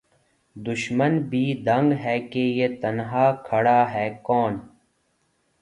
دُشمن بھی دنگ ہے کہ یہ تنہا کھڑا ہے کون